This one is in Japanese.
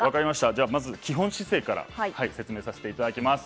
では基本姿勢から説明させていただきます。